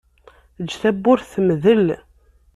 Eǧǧ tawwurt temdel.